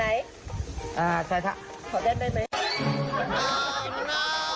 เอ่อใช่ค่ะขอเด้นได้ไหม